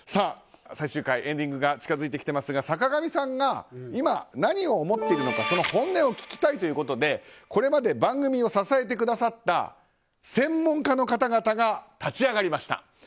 最終回、エンディングが近づいてきていますが坂上さんが今、何を思っているのかその本音を聞きたいということでこれまで番組を支えてくださった専門家の方々が立ち上がりました。